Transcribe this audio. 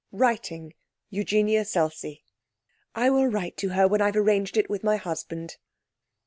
Writing. Eugenia Selsey.' 'I will write to her when I've arranged it with my husband.'